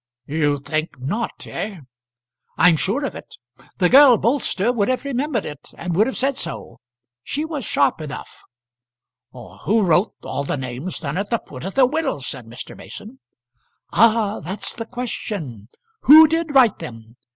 "You think not, eh!" "I'm sure of it. The girl Bolster would have remembered it, and would have said so. She was sharp enough." "Who wrote all the names then at the foot of the will?" said Mr. Mason. "Ah! that's the question. Who did write them?